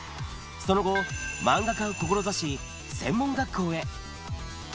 その後、漫画家を志し、専門学校へ。